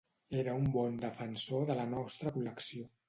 Era un bon defensor de la nostra col·lecció